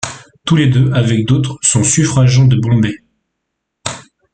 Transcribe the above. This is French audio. Tous les deux, avec d’autres sont suffragants de Bombay.